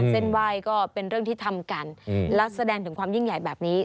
เส้นไหว้ก็เป็นเรื่องที่ทำกันและแสดงถึงความยิ่งใหญ่แบบนี้